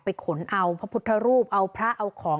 ขนเอาพระพุทธรูปเอาพระเอาของ